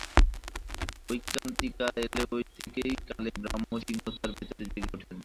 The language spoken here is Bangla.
ঐকান্তিকতা এলে ঐ থেকেই কালে ব্রহ্ম-সিংহ তার ভেতরে জেগে ওঠেন।